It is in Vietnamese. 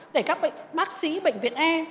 để các bác sĩ bệnh viện e